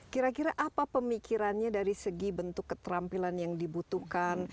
kira kira apa pemikirannya dari segi bentuk keterampilan yang dibutuhkan